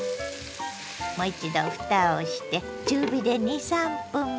もう一度ふたをして中火で２３分